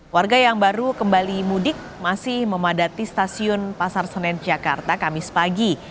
warga yang baru kembali mudik masih memadati stasiun pasar senen jakarta kamis pagi